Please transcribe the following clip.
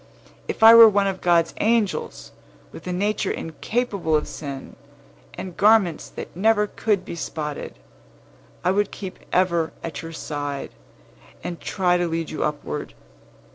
"If I were one of God's angels, with a nature incapable of stain, and garments that never could be spotted, I would keep ever at your side, and try to lead you upward.